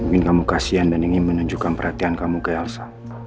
mungkin kamu kasian dan ingin menunjukkan perhatian kamu ke elsa